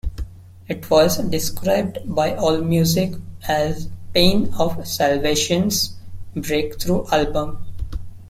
It was described by Allmusic as Pain of Salvation's breakthrough album.